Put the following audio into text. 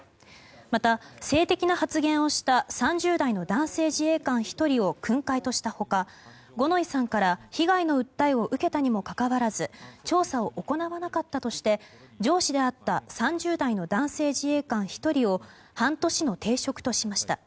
また、性的な発言をした３０代の男性自衛官１人を訓戒とした他五ノ井さんから、被害の訴えを受けたにもかかわらず調査を行わなかったとして上司であった３０代の男性自衛官１人を半年の停職としました。